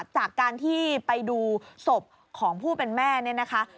จากการที่ไปดูศพของผู้เป็นแม่เนี่ยนะคะ